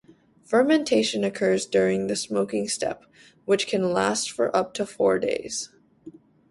Fermentation occurs during the smoking step, which can last for up to four days.